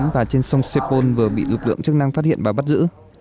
và trên sông sepol vừa bị lực lượng chức năng phát hiện và bắt giữ